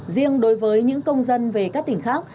riêng đối với những công dân về các tỉnh khác